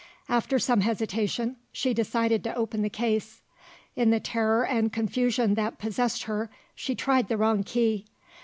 After some hesitation, she decided to open the case. In the terror and confusion that possessed her, she tried the wrong key.